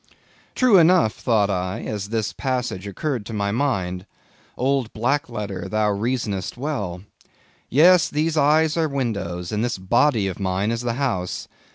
True enough, thought I, as this passage occurred to my mind—old black letter, thou reasonest well. Yes, these eyes are windows, and this body of mine is the house.